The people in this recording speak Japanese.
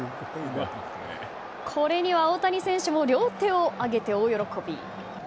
これには大谷選手も両手を上げて大喜び。